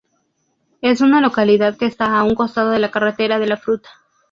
Es una localidad que está a un costado de la Carretera de la Fruta.